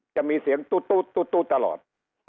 จะมีเสียงตู้ตู้ตลอด